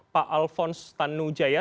pak alfons tanu jaya